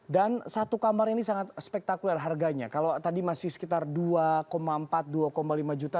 dan satu kamar ini sangat spektakuler harganya kalau tadi masih sekitar dua empat dua lima juta